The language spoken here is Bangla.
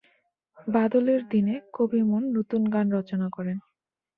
বাদলের দিনে কবিমন নতুন গান রচনা করেন।